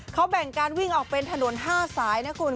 เขาแบ่งการวิ่งออกเป็นถนน๕สายนะคุณ